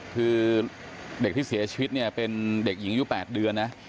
คือเด็กที่เสียชีวิตเนี่ยเป็นเด็กหญิงอายุ๘เดือนนะ